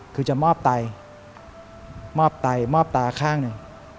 คือจะมอบใต้มอบตาข้างหนึ่ง